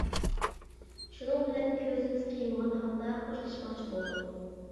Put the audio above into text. شۇنىڭ بىلەن كۆزىمىز قىيمىغان ھالدا خوشلاشماقچى بولدۇق.